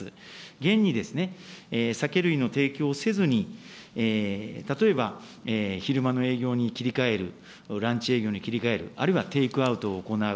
現に、酒類の提供をせずに、例えば昼間の営業に切り替える、ランチ営業に切り替える、あるいはテイクアウトを行う。